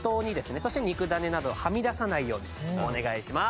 そして肉ダネなどはみ出さないようにお願いします。